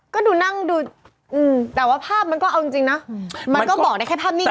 ก็ดูนั่งดูแต่ว่าภาพมันก็เอาจริงนะมันก็บอกได้แค่ภาพนิ่ง